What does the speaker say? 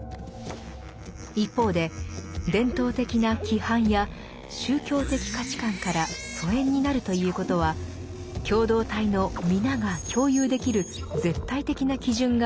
一方で伝統的な規範や宗教的価値観から疎遠になるということは共同体の皆が共有できる絶対的な基準がないということ。